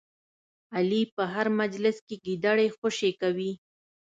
علي په هر مجلس کې ګیدړې خوشې کوي.